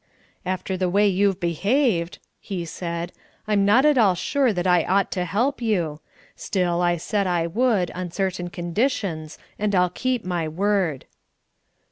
"After the way you've behaved," he said, "I'm not at all sure that I ought to help you. Still, I said I would, on certain conditions, and I'll keep my word."